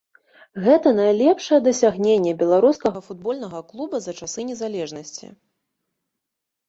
Гэта найлепшае дасягненне беларускага футбольнага клуба за часы незалежнасці.